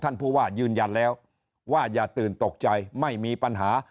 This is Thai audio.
ผู้ว่ายืนยันแล้วว่าอย่าตื่นตกใจไม่มีปัญหา